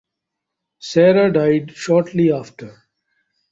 Sara died shortly after.